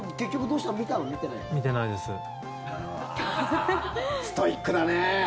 うわあストイックだね